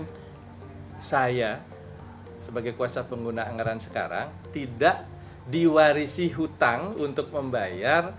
dan saya sebagai kuasa pengguna anggaran sekarang tidak diwarisi hutang untuk membayar